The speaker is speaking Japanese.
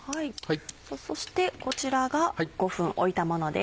そしてこちらが５分置いたものです。